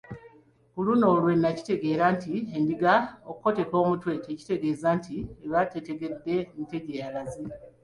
Ku luno lwe nakitegeera nti endiga okukoteka omutwe tekitegeeza nti eba tetegedde nte gye ziraze.